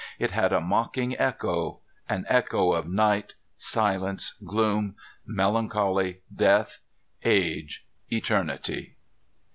It had a mocking echo. An echo of night, silence, gloom, melancholy, death, age, eternity!